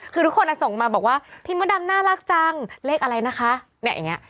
คือทุกคนส่งมาบอกว่าพี่มดดำน่ารักจังเลขอะไรนะคะเนี่ยอย่างเงี้